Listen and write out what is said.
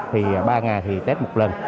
thì ba ngày thì test một lần